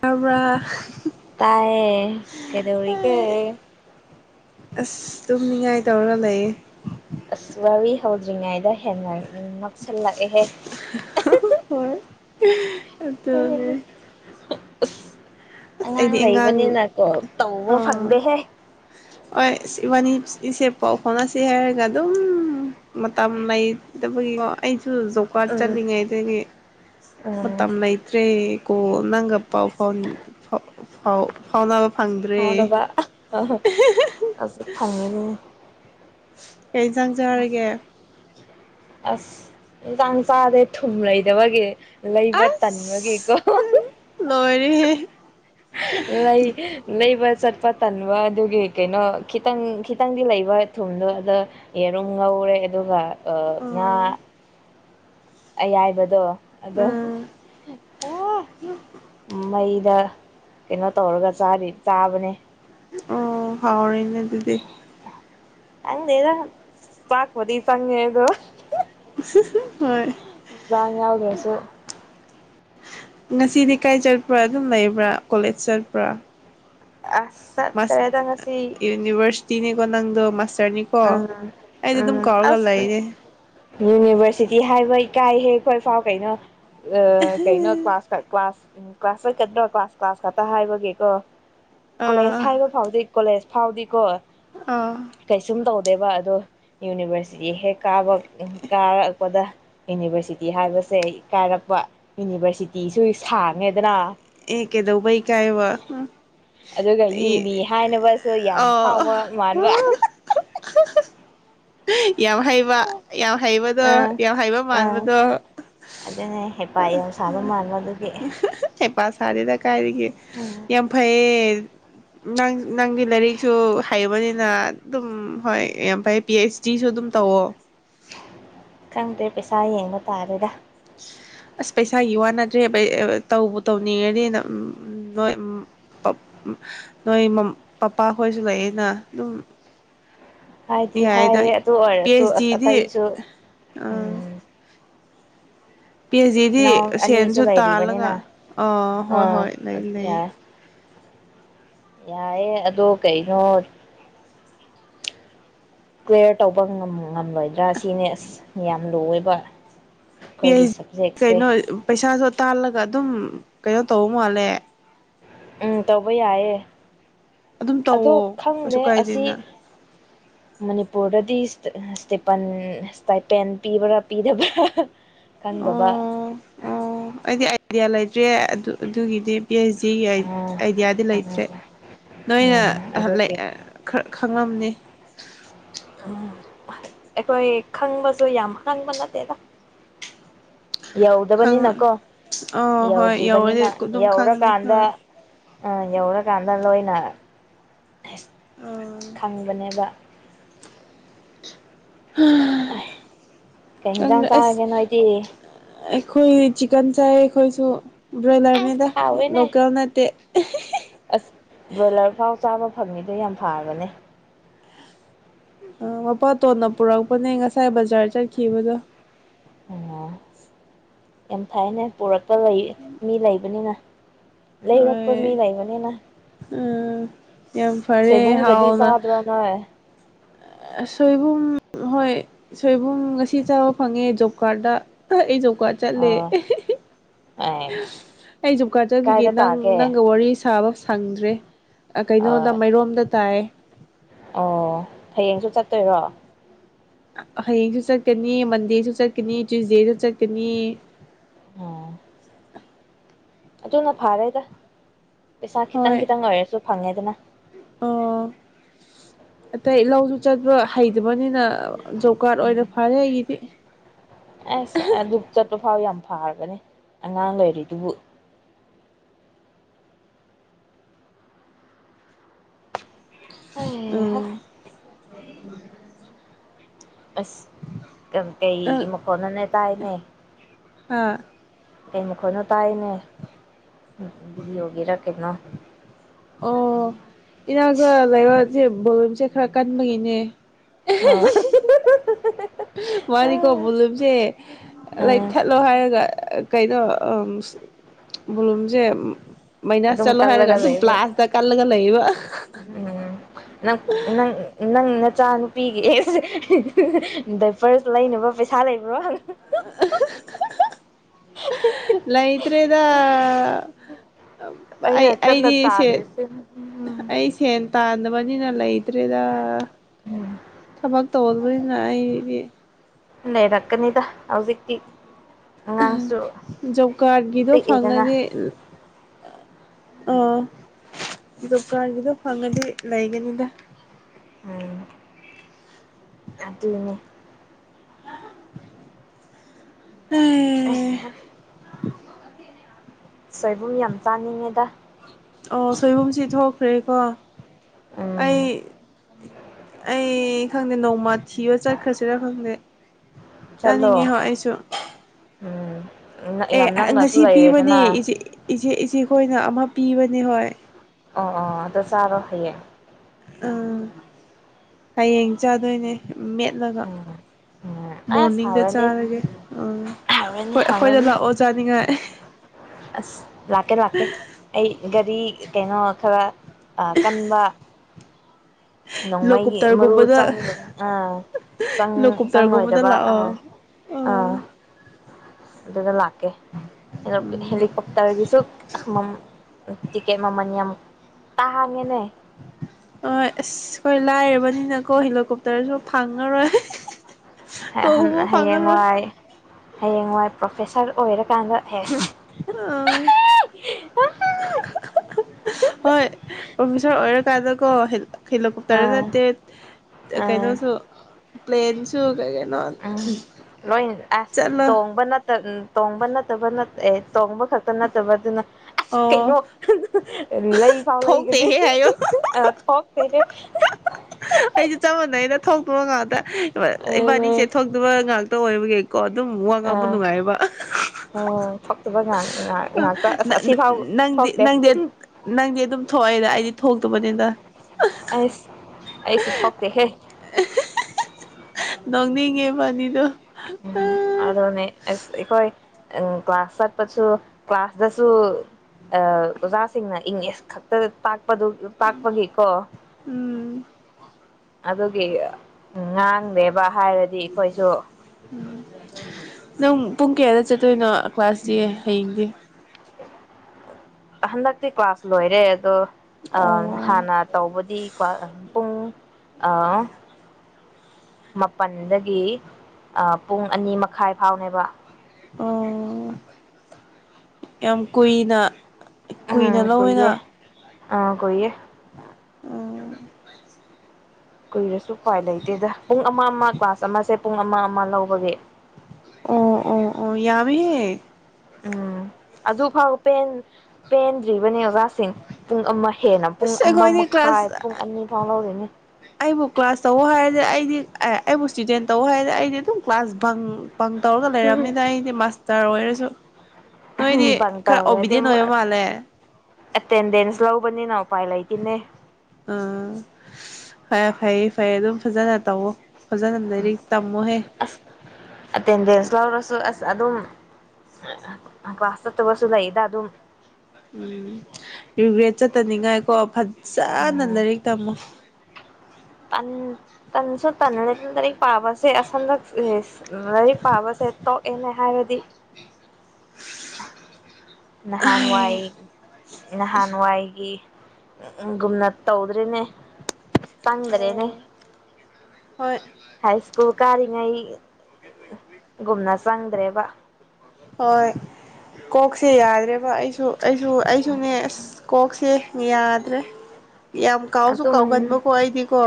ꯇꯔꯕ ꯇꯌꯦꯦ ꯀꯩꯗꯧꯔꯤꯒꯦ ꯑꯁ ꯇꯨꯝ ꯅꯤꯡꯉꯥꯏ ꯇꯧꯔ ꯂꯩꯌꯦ ꯊꯧꯗ꯭ꯔꯤꯉꯩꯗ ꯍꯦꯟꯅ ꯎꯝ ꯅꯥꯛꯁꯜꯂꯛꯑꯦꯍꯦ ꯎ ꯑꯗꯨꯗꯅꯦ ꯑꯁ ꯑꯉꯥꯡ ꯂꯩꯕꯅꯤꯅ ꯀꯣ ꯇꯧꯕ ꯐꯪꯗꯦꯍꯦ ꯍ ꯏꯕꯥꯅꯤ ꯏꯆꯦ ꯄꯥꯎ ꯍꯣꯠꯅꯁꯤ ꯍꯥꯏꯔꯒ ꯑꯗꯨꯝ ꯃꯇꯝ ꯂꯩꯇꯕꯒꯤꯀꯣ ꯑꯩ ꯑꯗꯨ ꯖꯣꯀꯥꯔꯠ ꯎꯝ ꯆꯠꯂꯤꯉꯩꯗꯒꯤ ꯎꯝ ꯃꯇꯝ ꯂꯩꯇ꯭ꯔꯦ ꯀꯣ ꯅꯪꯒ ꯄꯥꯎ ꯐꯥꯎꯥꯎ ꯐꯥꯎ ꯐꯥꯎꯅꯥ ꯐꯪꯗ꯭ꯔꯦ ꯐꯪꯔꯤ ꯀꯌꯥ ꯌꯦꯟꯁꯥꯡꯖꯔꯒꯦ ꯑꯁ ꯏꯟꯥꯡ ꯆꯥꯗꯦ ꯊꯨꯝ ꯂꯩꯗꯕꯒꯤ ꯂꯩꯕ ꯇꯟꯕꯒꯦꯀꯣ ꯍ ꯂꯩ ꯂꯩꯕ ꯆꯠꯄꯠ ꯇꯟꯕ ꯑꯗꯨꯒꯤ ꯀꯩꯅꯣ ꯈꯤꯇꯪ ꯈꯤꯇꯪꯗꯤ ꯂꯩꯕ ꯊꯨꯝꯗꯣ ꯑꯗ ꯌꯦꯔꯨꯝ ꯉꯧꯔꯦ ꯑꯗꯨꯒ ꯑꯣ ꯉ ꯑꯌꯥꯏꯕꯗꯣ ꯑꯗꯣ ꯎꯝ ꯃꯩꯗ ꯀꯩꯅꯩꯅꯣ ꯇꯧꯔꯒ ꯆꯥꯔꯤ ꯆꯥꯕꯅꯦ ꯑꯣ ꯍꯥꯎꯔꯦ ꯑꯗꯨꯗꯤ ꯍꯪꯗꯦ ꯄꯥꯛꯕꯗꯤ ꯏ ꯐꯪꯦ ꯑꯗꯨꯣ ꯍꯣꯏ ꯉ ꯌꯥꯎꯗꯁ ꯉꯁꯤꯗꯤꯀꯥꯏ ꯆꯠꯄ꯭ꯔꯥ ꯑꯗꯨꯝ ꯂꯩꯕ꯭ꯔꯥ ꯀꯣꯂꯦꯖ ꯆꯠꯄ꯭ꯔꯥ ꯑ ꯇꯔꯦꯗ ꯉꯁꯤ ꯇꯤꯟꯅꯦ ꯅꯣꯡꯗ ꯃꯁ ꯗꯅꯤꯀꯣ ꯎꯝ ꯑꯩꯗꯤ ꯑꯗꯨꯝ ꯎꯝ ꯀꯧꯔꯒ ꯑꯁ ꯂꯩꯔ ꯌꯨꯅꯤꯚꯔꯁꯤꯇꯤ ꯍꯥꯏꯕ ꯏꯀꯥꯏꯍꯦ ꯑꯩꯈꯣꯏ ꯐꯥꯎ ꯀꯩꯅꯣ ꯑ ꯀꯩꯅꯣ ꯀ꯭ꯂꯥꯁ ꯀ꯭ꯂꯥꯁ ꯎꯝ ꯀ꯭ꯂꯥꯁ ꯆꯠꯀꯗ꯭ꯔꯣ ꯀ꯭ꯂꯥꯁ ꯀ꯭ꯂꯥꯁ ꯈꯛꯇ ꯍꯥꯏꯕꯒꯤꯀꯣ ꯀꯣꯂꯦꯖ ꯍꯥꯏꯕ ꯐꯥꯎꯗꯤ ꯀꯣꯂꯦꯖ ꯐꯥꯎꯗꯤꯀꯣ ꯑ ꯀꯩꯁꯨꯝ ꯇꯧꯗꯦꯕ ꯑꯗꯣ ꯌꯨꯅꯤꯚꯔꯁꯤꯇꯤ ꯍꯦꯛ ꯀꯥꯕ ꯀꯥꯔꯛꯄꯗ ꯌꯨꯅꯤꯚꯔꯁꯤꯇꯤ ꯍꯥꯏꯕꯁꯦ ꯀꯥꯔꯛꯄ ꯌꯨꯅꯤꯚꯔꯁꯤꯇꯤꯁꯨ ꯁꯥꯡꯉꯦꯗꯅ ꯑꯦ ꯀꯦꯗꯧꯕꯩ ꯀꯥꯏꯕꯥ ꯑꯗꯨꯒ ꯌꯨꯅꯤ ꯍꯥꯏꯅꯕꯁꯨ ꯌꯥꯝ ꯑꯣ ꯐꯥꯎꯕ ꯃꯥꯟꯕꯥ [unintelligible] ꯌꯥꯝ ꯍꯩꯕ ꯌꯥꯝ ꯍꯩꯕꯗꯣ ꯑꯥ ꯌꯥꯝ ꯍꯩꯕ ꯑꯥ ꯃꯥꯟꯕꯗꯣ ꯑꯗꯨꯅꯦ ꯍꯦꯄꯥ ꯌꯥꯝ ꯁꯥꯕ ꯃꯥꯟꯕ ꯑꯗꯨꯒꯤ ꯁꯔꯦꯗ ꯀꯥꯏꯔꯤꯒꯦ ꯎꯝ ꯌꯥꯝ ꯐꯩꯌꯦ ꯅꯪ ꯅꯪꯒꯤ ꯂꯥꯏꯔꯤꯛꯁꯨ ꯍꯩꯕꯅꯤ ꯑꯗꯨꯝ ꯍꯣꯏ ꯌꯥꯝꯥꯏ ꯄꯤ ꯑꯩꯆ ꯗꯤꯁꯨ ꯑꯗꯨꯝ ꯇꯧꯋꯣ ꯈꯪꯗꯦ ꯄꯩꯁꯥ ꯌꯦꯡꯕ ꯇꯥꯔꯦꯗꯥ ꯑꯁ ꯄꯩꯁꯥꯒꯤ ꯋꯥꯅꯗꯇ‌ꯦ ꯇꯧꯕ ꯇꯧꯅꯤꯡꯉꯅꯤꯅ ꯅꯣꯏ ꯅꯣꯏ ꯄꯄꯥ ꯈꯣꯏꯁꯨ ꯂꯩꯑꯅ ꯑꯗꯨꯝ ꯍꯥꯏꯗꯤ ꯌꯥꯏꯗ ꯍꯥꯏꯌꯦ ꯑꯗꯨ ꯄꯤ ꯑꯣꯏꯔꯁꯨ ꯑꯩꯆ ꯑꯁ ꯗꯤꯗꯤ ꯑꯇꯩꯁꯨ ꯎꯝ ꯄꯤ ꯖꯤꯗꯤ ꯏꯅꯥꯎ ꯑꯅꯤꯁꯨ ꯁꯦꯟꯁꯨ ꯇꯥꯜꯂꯒ ꯂꯩꯔꯤꯕꯅꯤꯅ ꯑꯥ ꯍꯣꯏ ꯍꯣꯏ ꯂꯩ ꯂꯩ ꯌꯥꯏꯌꯦꯦ ꯑꯗꯣ ꯀꯩꯅꯣ ꯀ꯭ꯂꯤꯌꯥꯂꯤꯌꯥꯔ ꯇꯧꯕ ꯉꯝꯂꯣꯏꯗ꯭ꯔꯥ ꯁꯤꯅꯦ ꯑꯁ ꯌꯥꯝ ꯂꯨꯕ ꯄꯁ ꯀꯩꯅꯣ ꯄꯩꯁꯥꯁꯨꯣ ꯇꯥꯜꯂꯒ ꯑꯗꯨꯝ ꯀꯩꯅꯣ ꯇꯧꯕ ꯃꯥꯜꯂꯦ ꯎꯝ ꯇꯧꯕ ꯌꯥꯌꯦꯦ ꯑꯗꯨꯝ ꯇꯧꯋꯣ ꯀꯩꯁꯨ ꯀꯥꯏꯗꯦꯅ ꯃꯅꯤꯄꯨꯔꯗꯗꯤ ꯏꯁꯇꯄ ꯏꯁꯇꯄꯦꯟ ꯄꯤꯕ꯭ꯔꯥ ꯄꯤꯗꯕ꯭ꯔꯥ ꯈꯪꯗꯕ ꯑꯣ ꯑꯣ ꯑꯩꯗꯤ ꯑꯥꯏꯗꯤꯌꯥ ꯂꯩ ꯇ꯭ꯔꯦ ꯑꯗꯨ ꯑꯗꯨꯒꯤꯗꯤ ꯄꯤ ꯑꯩꯆ ꯖꯤꯒꯤ ꯎꯝ ꯑꯥꯏꯗꯤꯌꯥꯗꯤ ꯎꯝ ꯂꯩꯇ꯭ꯔꯦ ꯅꯣꯏꯅ ꯎꯝ ꯑꯗꯨꯒꯤ ꯈꯪꯉꯝꯅꯤ ꯎꯝ ꯑꯩꯈꯣꯏ ꯈꯪꯕꯁꯨ ꯌꯥꯝ ꯍꯪꯕ ꯅꯠꯇꯦꯗ ꯌꯧꯗꯕꯅꯤꯅꯀꯣ ꯑꯣ ꯍꯣꯏ ꯌꯧꯔꯗꯤ ꯌꯧꯗ꯭ꯔꯤꯕꯅꯤꯅ ꯑꯗꯨꯝ ꯈꯪꯅꯤ ꯌꯧꯔꯀꯥꯟꯗ ꯍꯣꯏ ꯑ ꯌꯦꯂ ꯀꯗꯅꯣꯏꯅ ꯑꯣ ꯈꯪꯕꯅꯦꯕ ꯑ ꯀꯩ ꯌꯦꯟꯁꯥꯡ ꯆꯥꯔꯒꯦ ꯅꯣꯏꯗꯤ ꯈꯣꯏ ꯆꯤꯛꯟ ꯆꯥꯏ ꯈꯣꯏꯁꯨꯣ ꯕ꯭ꯔꯣꯏꯂꯔꯅꯤꯗ ꯑꯁ ꯍꯥꯎꯋꯦꯅꯦ ꯂꯣꯀꯦꯜ ꯅꯠꯇꯦ ꯎ ꯑꯁ ꯕ꯭ꯔꯣꯏꯂꯔ ꯐꯥꯎ ꯆꯥꯕ ꯐꯪꯉꯤꯗꯣ ꯌꯥꯝ ꯐꯔꯕꯅꯦ ꯑ ꯃꯄꯥ ꯇꯣꯟꯅ ꯄꯨꯔꯛꯄꯅꯦ ꯉꯁꯥꯏ ꯕꯖꯥꯔ ꯆꯠꯈꯤꯕꯗꯣ ꯎ ꯑꯦꯝ ꯊꯥꯏꯅꯦ ꯄꯔꯛ ꯂꯄ ꯂꯩ ꯃꯤ ꯂꯩꯕꯅꯤꯅ ꯂꯩꯔꯄ ꯃꯤ ꯂꯩꯕꯅꯤꯅ ꯎ ꯌꯥꯝ ꯐꯔꯦ ꯁꯣꯏꯕꯨꯝꯒꯗꯤ ꯍꯥꯎꯅ ꯆꯥꯗ꯭ꯔꯣ ꯅꯣꯏ ꯁꯣꯏꯕꯨꯝ ꯍꯣꯏ ꯁꯣꯏꯕꯨꯝ ꯉꯁꯤ ꯆꯥꯕ ꯐꯪꯉꯦ ꯖꯣꯕ ꯀꯥꯔꯗ ꯑꯩ ꯖ ꯀꯥ ꯆꯠꯂꯦ ꯑꯥ ꯑꯦ ꯑꯩ ꯖꯨꯀꯥꯔ ꯆꯠꯄꯤꯒꯦ ꯀꯥꯏꯗ ꯅꯪ ꯇꯥꯒꯦ ꯅꯪꯒ ꯋꯥꯔꯤ ꯁꯥꯕ ꯁꯪꯗ꯭ꯔꯦ ꯀꯩꯅꯣꯗ ꯑꯥ ꯃꯔꯣꯝꯗ ꯇꯥꯏ ꯑꯣ ꯍꯌꯦꯡꯁꯨ ꯆꯠꯇꯣꯏꯔꯣ ꯍꯌꯦꯡꯁꯨ ꯆꯠꯀꯅꯤ ꯃꯟꯗꯦꯁꯨ ꯆꯠꯀꯅꯤ ꯇ꯭ꯋꯨꯁꯗꯦꯁꯨ ꯆꯠꯀꯅꯤ ꯑꯣ ꯑꯆꯅ ꯐꯥꯔꯦꯗ ꯄꯩꯁꯥꯈꯤ ꯍꯣꯏ ꯇꯪꯈꯤꯪ ꯑꯣꯏ ꯍꯥꯏꯦꯁꯨ ꯐꯪꯉꯦꯗꯅ ꯑꯣ ꯑꯇꯩ ꯂꯧꯁꯨ ꯆꯠꯄ ꯍꯩꯇꯕꯅꯤꯅ ꯖꯣꯕ ꯀꯥꯔꯗ ꯑꯣꯏꯅꯔ ꯐꯔꯦ ꯑꯩꯒꯤꯗꯤ ꯑꯦꯁ ꯆ ꯐꯥꯎ ꯌꯥꯝ ꯐꯥꯔꯒꯅꯤ ꯑꯉꯥꯡ ꯂꯩꯔꯤꯗꯨꯕꯨ ꯑꯦ ꯎꯝ ꯑꯁ ꯅꯪ ꯀꯩꯒꯤ ꯃꯨꯀꯣꯅꯅꯦ ꯇꯥꯥꯏꯅꯦ ꯍꯥ ꯀꯩ ꯃꯈꯣꯏꯅꯣ ꯇꯥꯏꯅꯦ ꯕꯤꯒꯤꯔ ꯀꯅꯣ ꯏꯅꯥꯛꯁꯨ ꯂꯩꯕꯁꯦ ꯕꯣꯂꯨꯝꯁꯦ ꯈꯔ ꯀꯟꯕꯒꯤꯅꯦ ꯑ ꯃꯥꯅꯤꯀꯣ ꯄꯨꯂꯨꯝꯁꯦ ꯂꯩ ꯎꯝ ꯊꯠꯂꯣ ꯍꯥꯏꯔꯒ ꯀꯩꯅꯣ ꯕꯣꯂꯨꯝꯁꯦ ꯃꯥꯏꯅꯥꯁ ꯑꯗꯨꯝ ꯆꯠꯂꯣ ꯍꯥꯏꯔꯒ ꯀꯜꯂꯒ ꯑꯗꯨꯝ ꯂꯩꯕ ꯄ꯭ꯂꯥꯁꯇ ꯀꯜꯂꯒ ꯂꯩꯌꯦꯕ ꯎꯝ ꯏꯆꯥ ꯅꯨꯨꯄꯤꯒꯤ ꯑꯦꯁꯦ ꯗꯥꯏꯄꯔꯁ ꯂꯩꯅꯕ ꯄꯩꯁꯥ ꯂꯩꯕ꯭ꯔꯣ ꯂꯥꯏꯇ꯭ꯔꯦꯗ ꯑꯩ ꯑꯩꯅ ꯀꯟꯅ ꯑꯩꯗꯤ ꯁꯦ ꯇꯥꯜꯂꯤꯁꯦ ꯎꯝ ꯑꯩꯗꯤ ꯁ‌ꯦ ꯇꯥꯟꯗ ꯃꯅꯤ ꯅꯂ ꯏꯇ꯭ꯔꯦꯗ ꯊꯕꯥꯛ ꯇꯧꯑꯣ ꯑꯩꯣꯏ ꯉꯏꯕꯤ ꯂꯩ ꯗꯀꯅꯤꯗ ꯍꯧꯖꯤꯛꯇꯀꯤꯤ ꯖꯣꯕ ꯀꯥꯔꯠꯒꯤꯗꯣ ꯄꯤꯛꯏꯗꯅ ꯐꯪꯉꯅꯤ ꯑꯣ ꯗꯀꯥꯟꯒꯤꯗꯣ ꯐꯒ ꯂꯩꯒꯅꯤꯗ ꯎꯝ ꯑꯗꯨꯗꯅꯦ ꯑꯩꯅꯦ ꯁꯣꯏꯕꯨꯝ ꯌꯥꯝ ꯆꯥꯅꯤꯡꯉꯦꯗ ꯑꯣ ꯁꯣꯏꯕꯨꯝꯁꯤ ꯊꯣꯛꯈ꯭ꯔꯦꯀꯣ ꯎꯝ ꯑꯩ ꯑꯩ ꯈꯪꯗꯦ ꯅꯣꯡꯃ ꯊꯤꯕ ꯆꯠꯈ꯭ꯔꯁꯤꯔꯥ ꯈꯪꯗꯦ ꯆꯠꯂꯣ ꯆꯥꯅꯤꯡꯉꯤꯍꯣ ꯑꯩꯁꯨ ꯎꯝ ꯌꯥꯝ ꯑꯦ ꯅꯛꯅꯁꯨ ꯉꯁꯤ ꯂꯩꯔꯦꯗꯅ ꯄꯤꯕꯅꯦꯆ ꯏꯆꯦ ꯏꯆꯦꯈꯣꯏꯅ ꯑꯃ ꯄꯤꯕꯅꯦ ꯍꯣꯏ ꯑꯣ ꯑꯣ ꯑꯗꯨꯗꯣ ꯆꯥꯔꯣ ꯍꯌꯦꯡ ꯑꯥ ꯍꯌꯦꯡ ꯆꯥꯗꯣꯏꯅꯦ ꯃꯦꯠꯂꯒ ꯎꯝ ꯎꯝ ꯑꯁ ꯃꯣꯔꯅꯤꯡꯗ ꯍꯥꯎꯔꯅꯤ ꯆꯥꯔꯒꯦꯥ ꯑꯩꯣꯏ ꯍꯥꯎꯔꯅꯤ ꯑꯩꯈꯣꯏꯗ ꯍꯥꯎꯔꯅꯤ ꯂꯥꯛꯑꯣ ꯆꯥꯅꯤꯡꯉꯥꯏ ꯑꯁ ꯂꯥꯛꯀꯦ ꯂꯥꯛꯀꯦ ꯑꯩ ꯒꯥꯔꯤ ꯀꯩꯅꯣ ꯈꯔ ꯀꯟꯕ ꯅꯣꯡꯃꯩꯒꯤ ꯃꯔꯨ ꯆꯪ ꯂꯣꯀꯨꯞꯇꯔꯒꯨꯝꯕꯗ ꯑꯪ ꯂꯣꯀꯨꯞꯇꯔꯒꯨꯝꯕꯗ ꯆꯪꯉꯣꯏꯗꯕ ꯑ ꯂꯥꯛꯑꯣ ꯑ ꯑꯥ ꯑꯗꯨꯗ ꯂꯥꯛꯀꯦ ꯗꯣꯛ ꯇꯥꯔꯒꯤ ꯆꯨꯝ ꯇꯤꯀꯦ ꯃꯃꯥ ꯇꯥꯥꯉꯅꯦ ꯍ ꯑꯁ ꯑꯩꯈꯣꯏ ꯂꯥꯏꯔꯕꯅꯤꯅꯀꯣ ꯍꯦꯂꯤꯀꯣꯞꯇꯔꯁꯨ ꯐꯪꯉꯔꯣꯏ ꯇꯣꯡꯕ ꯍꯌꯦꯡ ꯐꯪꯉꯔꯣꯏ ꯋꯥꯏ ꯍꯌꯦꯡꯋꯥꯏ ꯄ꯭ꯔꯣꯐꯦꯁꯔ ꯑꯣꯏꯔꯀꯥꯟꯗ ꯍꯦꯛ ꯑ ꯍꯣꯏ ꯄꯐꯁ ꯑꯣꯏꯔ ꯀꯥꯖ ꯀꯣ ꯍꯦꯜ ꯈꯤꯂꯣꯛꯄꯇꯔ ꯑꯥ ꯅꯠꯇꯦ ꯑꯥ ꯀꯩꯅꯣꯁꯨ ꯄ꯭ꯂꯦꯟꯁꯨꯨ ꯀꯒꯦ ꯎꯝ ꯂꯣꯏ ꯑꯁ ꯆꯠꯂꯣ ꯇꯣꯡꯕ ꯇꯣꯡꯕ ꯅꯠꯇꯕ ꯑꯦ ꯇꯣꯡꯕ ꯈꯛꯇ ꯅꯠꯇꯕ ꯑꯗꯨꯅ ꯑꯁ ꯑꯣ ꯀꯩꯅꯣ ꯂꯩ ꯐꯥꯎ ꯂꯩꯒꯅꯤ ꯊꯣꯛꯇꯦꯍꯦ ꯍꯥꯏꯌꯣ ꯊꯣꯛꯇꯦꯅꯦ ꯊꯧꯇꯣꯔ ꯉꯥꯛꯇ ꯏꯕꯥꯅꯤꯁꯦ ꯊꯣꯛꯇꯕ ꯉꯥꯛꯇ ꯑꯣꯏꯕꯒꯤ ꯀꯣ ꯑꯗꯨꯝ ꯃ ꯑ ꯉꯕꯨ ꯅꯨꯡꯉꯥꯏꯕ ꯑꯣ ꯊꯣꯛꯇꯕ ꯉꯥꯛ ꯉꯥꯛꯇ ꯑꯁ ꯑꯁꯤꯐꯥꯎ ꯅꯪꯗꯤ ꯊꯣꯛꯇꯦ ꯅꯪꯗꯤ ꯅꯪꯗꯤ ꯑꯗꯨꯝ ꯊꯣꯛꯑꯦꯗ ꯑꯩꯗꯤ ꯊꯣꯛꯇꯕꯅꯤꯗ ꯑꯩꯁ ꯑꯩꯁꯨ ꯊꯣꯛꯇꯦꯍꯦ ꯃꯥꯡꯅꯤꯒꯦ ꯄꯅꯤꯗ ꯎꯝ ꯑꯗꯅꯦꯁ ꯑꯩꯈꯣꯏ ꯎ ꯀ꯭ꯂꯥꯁ ꯆꯠꯄꯁꯨ ꯀ꯭ꯂꯥꯁꯇꯁꯨ ꯑꯣꯖꯥꯁꯤꯡꯅ ꯏꯪꯂꯤꯁ ꯈꯛꯇꯗ ꯇꯥꯛꯄꯗꯨ ꯇꯥꯛꯄꯒꯤꯀꯣ ꯎꯝ ꯑꯗꯨꯒꯤ ꯉꯥꯡꯗꯦꯕ ꯍꯥꯏꯔꯗꯤ ꯑꯩꯈꯣꯏꯁꯨ ꯅꯪ ꯄꯨꯡ ꯀꯌꯥꯗ ꯆꯠꯇꯣꯏꯅꯣ ꯀ꯭ꯂꯥꯁꯗꯤ ꯍꯌꯦꯡꯗꯤ ꯍꯟꯗꯛꯇꯤ ꯀ꯭ꯂꯥꯁ ꯂꯣꯏꯔꯦ ꯑꯗꯣ ꯑ ꯑꯣ ꯍꯥꯟꯅ ꯇꯧꯕꯗꯤ ꯄꯨꯡ ꯃꯥꯄꯜꯗꯒꯤ ꯄꯨꯡ ꯑꯅꯤ ꯃꯈꯥꯏ ꯐꯥꯎꯅꯦꯕ ꯑꯣ ꯌꯥꯝ ꯀꯨꯏꯅ ꯀꯨꯏꯅ ꯂꯧꯅ ꯀꯨꯏꯌꯦ ꯑꯥ ꯀꯣꯏꯌꯦ ꯑꯣ ꯀꯨꯏꯔꯁꯨ ꯎꯄꯥꯏ ꯂꯩꯇꯦꯗ ꯄꯨꯡ ꯑꯃ ꯑꯃ ꯀ꯭ꯂꯥꯁ ꯑꯃꯁꯦ ꯄꯨꯡ ꯑꯃ ꯑꯃ ꯂꯧꯕꯒꯤꯦ ꯑꯣ ꯑꯣ ꯑꯣ ꯌꯥꯃꯤ ꯍꯦ ꯎꯝ ꯑꯗꯨ ꯐꯥꯎ ꯄꯦꯟꯗ꯭ꯔꯤꯕꯅꯦꯕ ꯑꯣꯥ ꯁꯤꯡ ꯄꯨꯡ ꯑꯃ ꯍꯦꯟꯅ ꯄꯨꯡ ꯑꯁ ꯑꯃ ꯑꯩꯈꯣꯏꯗꯤ ꯃꯈꯥꯏ ꯀ꯭ꯂꯥꯁ ꯄꯨꯡ ꯑꯅꯤ ꯐꯥꯎ ꯂꯧꯔꯤꯅꯤ ꯑꯩꯕꯨ ꯀ꯭ꯂꯥꯁ ꯇꯧ ꯍꯥꯏꯔꯗꯤ ꯑꯩꯗꯤ ꯑꯦ ꯑꯩꯕꯨ ꯏꯁꯇꯨꯗꯦꯟ ꯇꯧ ꯍꯥꯏꯗꯅ ꯑꯩꯗꯤ ꯑꯗꯨꯝ ꯀ꯭ꯂꯥꯁ ꯕꯪ ꯄꯪ ꯇꯧꯔꯒ ꯂꯩꯔꯕꯝꯅꯤꯅ ꯑꯩꯗꯤ ꯃꯥꯁꯇꯔ ꯑꯣꯏꯔꯁꯨ ꯅꯣꯏꯗꯤ ꯕꯪ ꯈꯔ ꯇꯧꯔꯗꯤ ꯑꯣꯕꯤꯗꯦꯟ ꯑꯃꯨꯛ ꯑꯣꯏꯕ ꯃꯥꯜꯂꯦ ꯑꯦꯇꯦꯟꯗꯦꯟꯁ ꯂꯧꯕꯅꯤꯅ ꯎꯄꯥꯏ ꯂꯩꯇꯦꯅꯦ ꯑ ꯐ ꯐꯌꯦ ꯐꯩꯌꯦꯦ ꯑꯗꯨꯝ ꯐꯖꯅ ꯇꯧꯋ ꯁ ꯑꯇꯦꯟꯗꯦꯟꯁ ꯂꯔꯁꯨ ꯑꯗꯨꯝ ꯀ꯭ꯂꯥꯁ ꯆꯠꯇꯕꯁꯨ ꯂꯩꯗ ꯑꯗꯨꯝ ꯎꯝ ꯔꯤꯒ꯭ꯔꯦꯠ ꯆꯠꯇꯅꯤꯡꯉꯥꯏ ꯀꯣ ꯆꯥꯅ ꯂꯥꯏꯔꯤꯛ ꯇꯝꯃꯨ ꯄ ꯇꯁ ꯇ ꯇꯔ ꯄꯥꯕꯁꯦ ꯁꯟꯗꯛ ꯂꯥꯏꯔꯤꯛ ꯄꯥꯕꯁꯦ ꯇꯣꯛꯑꯦꯅꯦ ꯍꯥꯏꯔꯗꯤ ꯅꯍꯥꯟꯋꯥꯏ ꯑꯣ ꯅꯍꯥꯟꯋꯥꯏꯒꯤ ꯎꯝ ꯎ ꯒꯨꯝꯅ ꯇꯧꯗ꯭ꯔꯤꯅꯦ ꯐꯥꯡꯗꯔꯦꯅꯦ ꯍꯣꯏ ꯍꯩ ꯁꯀꯨꯜ ꯀꯥꯔꯤꯉꯩ ꯒꯨꯝꯅ ꯆꯪꯗ꯭ꯔꯦꯕ ꯍꯣꯏ ꯀꯣꯛꯁꯦ ꯌꯥꯗ꯭ꯔꯦꯕ ꯑꯩꯁꯨ ꯑꯩꯁꯨ ꯑꯩꯁꯨꯅꯦ ꯑꯁ ꯀꯣꯛꯁꯦ ꯌꯥꯗꯦ ꯌꯥꯝ ꯀꯥꯎꯁꯨ ꯑꯗꯨꯝ ꯀꯥꯎꯒꯟꯕꯀꯣ ꯑꯩꯗꯤꯀꯣ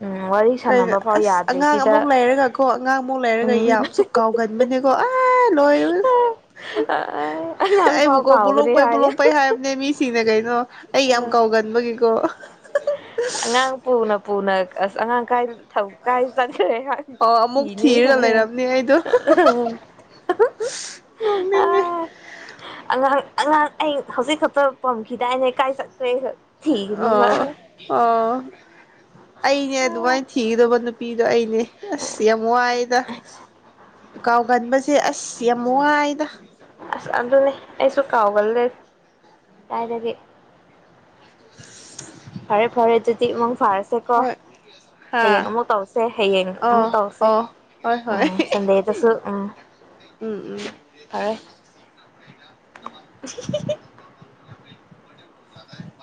ꯎꯝ ꯋꯥꯔꯤ ꯀꯩꯅꯣ ꯁꯥꯟꯅꯕ ꯐꯥꯎ ꯑꯁ ꯌꯥꯗ꯭ꯔꯤ ꯑꯉꯥꯡ ꯁꯤꯗ ꯑꯃꯨꯛ ꯂꯩꯔꯒꯀꯣ ꯑꯉꯥꯡꯃꯨꯛ ꯂꯩꯔꯒ ꯎꯝ ꯌꯥꯝꯁꯨ ꯀꯥꯎꯒꯟꯕꯅꯦꯀꯣ ꯑꯁ ꯂꯣꯏ ꯑꯉꯥꯡ ꯐꯥꯎ ꯑꯩꯕꯨꯀꯣ ꯀꯥꯎꯈ꯭ꯔꯦ ꯕꯨꯂꯣꯡꯄꯩ ꯍꯥꯏ ꯕꯨꯂꯣꯡꯄꯩ ꯍꯥꯏꯕꯅꯦ ꯃꯤꯁꯤꯡꯅ ꯀꯩ ꯑꯩ ꯌꯥꯝ ꯀꯥꯎꯒꯟꯕꯒꯤꯀꯣ ꯉꯥꯡ ꯄꯨꯅ ꯄꯨꯅ ꯑꯁ ꯑꯉꯥꯡ ꯀꯥꯏ ꯊꯧꯒꯥꯏꯖꯈꯦ ꯍ ꯑꯣ ꯑꯃꯨꯛ ꯊꯤꯅꯤ ꯊꯤꯔꯒ ꯍꯥꯏ ꯂꯩꯔꯝꯅꯤ ꯑꯩꯗꯣ ꯑ ꯅꯣꯛꯅꯤꯡꯉꯦ ꯑꯉꯥꯡ ꯑꯩ ꯍꯧꯖꯤꯛ ꯈꯛꯇ ꯄꯝꯈꯤꯗꯏꯅ ꯀꯥꯏ ꯊꯅꯦ ꯑꯣ ꯑꯣ ꯑꯩꯅꯦ ꯑꯗꯨꯃꯥꯏꯅ ꯊꯤꯒꯗꯕ ꯅꯨꯄꯤꯗꯣ ꯑꯩꯅꯦ ꯑꯁ ꯌꯥꯝꯃ ꯋꯥꯏꯗ ꯀꯥꯎ ꯀꯟꯕꯁꯦ ꯑꯁ ꯌꯥꯝꯏꯗ ꯑꯁ ꯑꯗꯨꯅꯦ ꯑꯩꯁꯨ ꯀꯥꯎꯒꯜꯂꯦ ꯇꯥꯏꯗꯒꯤ ꯐꯔꯦ ꯐꯔꯦꯠꯇ ꯃꯪ ꯐꯔ ꯆꯁꯦꯀꯣ ꯍꯣꯏ ꯍꯥ ꯍꯌꯦꯡ ꯑꯃꯨꯛ ꯇꯧꯁꯦ ꯍꯌꯦꯡ ꯑꯣ ꯑꯃꯨꯛ ꯇꯧꯁꯦ ꯑꯣ ꯍꯣꯏ ꯍꯣꯏ ꯎꯝ ꯁꯟꯗꯦꯗꯁꯨ ꯎꯝ ꯎꯝ ꯎꯝ ꯐꯔꯦ [unintelligible] ꯑꯗꯨ